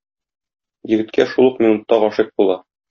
Егеткә шул ук минутта гашыйк була.